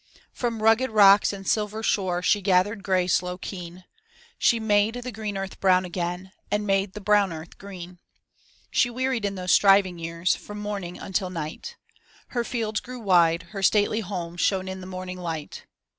From rugged rocks and silver shore she gathered grey sloakeen. She made the green earth brown again, and made the brown earth green. She wearied in those striving years from morning until night. Her fields grew wide, her stately home shone in the morning light.